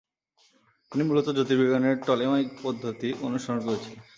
তিনি মূলত জ্যোতির্বিজ্ঞানের টলেমাইক পদ্ধতি অনুসরণ করেছিলেন।